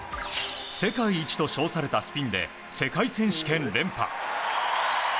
世界一と称されたスピンで世界選手権連覇。